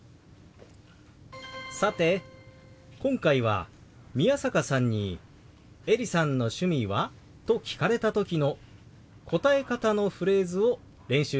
さて今回は宮坂さんに「エリさんの趣味は？」と聞かれた時の答え方のフレーズを練習してきました。